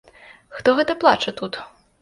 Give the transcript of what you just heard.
Хто гэта плача тут?